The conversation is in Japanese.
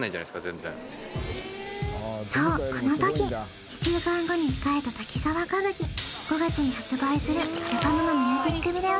全然そうこの時２週間後に控えた滝沢歌舞伎５月に発売するアルバムのミュージックビデオ